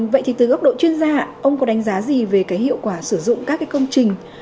vậy thì từ góc độ chuyên gia ông có đánh giá gì về cái hiệu quả sử dụng các cái công trình